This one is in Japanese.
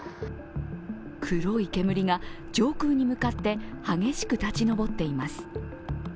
黒い煙が上空に向かって激しく立ち上っています。